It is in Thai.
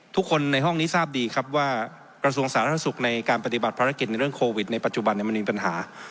ทุกคนในห้องนี้ทราบดีครับว่ากระทรวงสาธารณสุขในการปฏิบัติภารกิจในเรื่องโควิดในปัจจุบันมันมีปัญหา